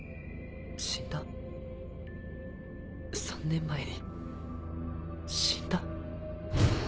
３年前に死んだ？